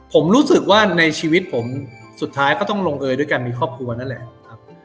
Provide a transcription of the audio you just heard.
ผมรู้สึกว่าในชีวิตผมสุดท้ายก็ต้องลงเอยด้วยการมีครอบครัวนั่นแหละครับ